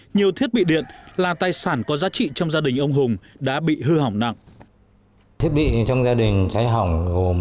nhiều thiết bị điện là tài sản có giá trị trong gia đình ông hùng đã bị hư hỏng nặng